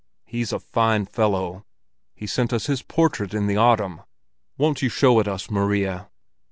He's a fine fellow. He sent us his portrait in the autumn. Won't you show it us, Maria?"